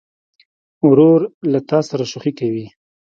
ورور له تا سره شوخي کوي.